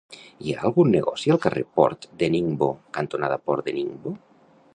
Hi ha algun negoci al carrer Port de Ningbo cantonada Port de Ningbo?